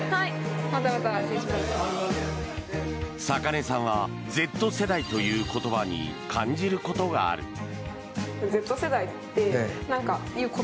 坂根さんはＺ世代という言葉に感じることがある。